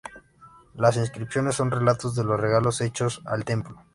Las inscripciones son relatos de los regalos hechos al templo.